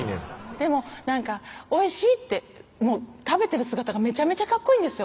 でも「おいしい」って食べてる姿がめちゃめちゃかっこいいんですよ